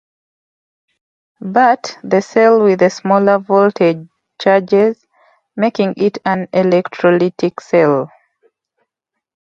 But, the cell with the smaller voltage charges, making it an electrolytic cell.